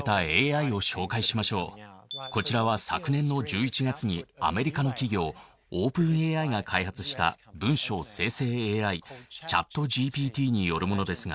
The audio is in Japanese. こちらは昨年の１１月にアメリカの企業ＯｐｅｎＡＩが開発した文章生成ＡＩＣｈａｔＧＰＴによるものです。